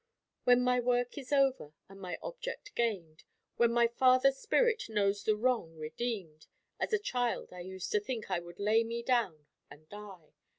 When my work is over, and my object gained, when my father's spirit knows the wrong redeemed, as a child I used to think I would lay me down and die.